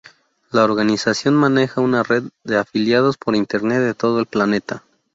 La organización maneja una red de afiliados por internet de todo el planeta.